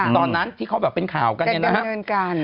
ตอนนั้นที่เขาแบบเป็นข่าวกันเนี่ยนะฮะ